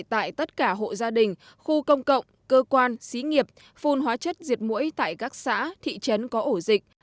tại tất cả hộ gia đình khu công cộng cơ quan xí nghiệp phun hóa chất diệt mũi tại các xã thị trấn có ổ dịch